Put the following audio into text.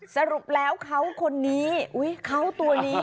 สรุปแล้วเขาคนนี้เขาตัวนี้